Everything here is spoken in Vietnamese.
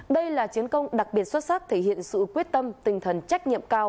đây là chiến công đặc biệt xuất sắc thể hiện sự quyết tâm tinh thần trách nhiệm cao